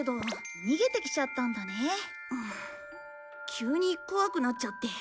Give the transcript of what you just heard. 急に怖くなっちゃって。